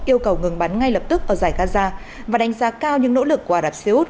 yêu cầu ngừng bắn ngay lập tức ở giải gaza và đánh giá cao những nỗ lực của ả rập xê út